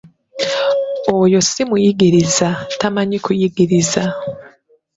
Oyo ssi muyigiriza, tamanyi kuyigiriza.